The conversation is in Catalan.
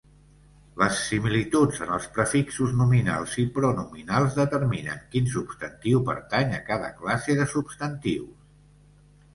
Les similituds en els prefixos nominals i pronominals determinen quin substantiu pertany a cada classe de substantius.